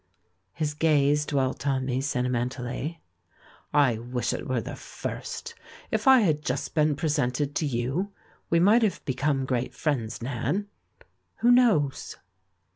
His gaze dwelt on me sentimentally. "I wish it were the first! If I had just been pre sented to you, we might have become great friends, Nan. Who knows?"